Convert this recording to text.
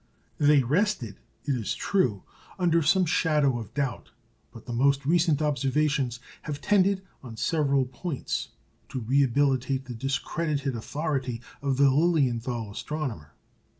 They rested, it is true, under some shadow of doubt; but the most recent observations have tended on several points to rehabilitate the discredited authority of the Lilienthal astronomer.